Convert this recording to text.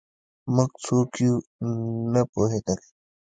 موږ څوک یو نه پوهېدل